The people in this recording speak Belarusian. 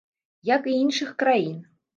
Як і іншых краін.